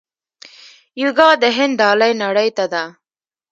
یوګا د هند ډالۍ نړۍ ته ده.